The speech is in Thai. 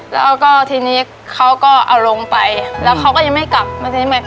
แล้วก็ทีนี้เขาก็เอาลงไปแล้วเขาก็ยังไม่กลับมาใช้ใหม่